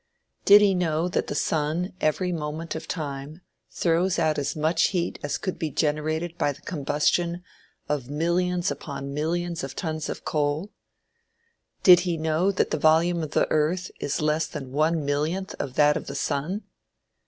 Did he know that the sun every moment of time throws out as much heat as could be generated by the combustion of millions upon millions of tons of coal? Did he know that the volume of the Earth is less than one millionth of that of the sun?